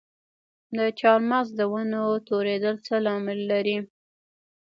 د چهارمغز د ونو توریدل څه لامل لري؟